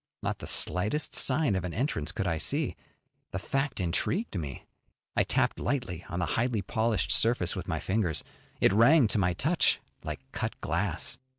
Not the slightest sign of an entrance could I see. The fact intrigued me. I tapped lightly on the highly polished surface with my fingers. It rang to my touch like cut glass.